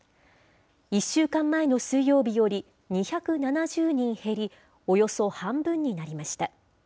１週間前の水曜日より２７０人減り、およそ半分になりました。